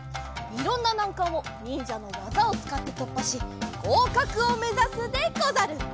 いろんななんかんをにんじゃのわざをつかってとっぱしごうかくをめざすでござる。